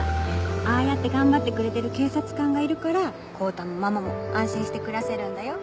ああやって頑張ってくれてる警察官がいるから光太もママも安心して暮らせるんだよ。